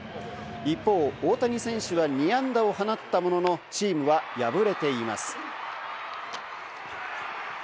一方、大谷選手は２安打を放ったものの、チームは敗れています。